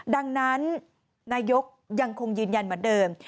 ดังนั้นนายกยังคงยืนยันเหมือนเดิม